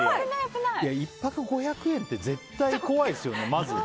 １泊５００円って絶対怖いですよね、まず。